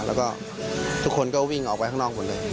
แล้วก็ทุกคนก็วิ่งออกไปข้างนอกหมดเลย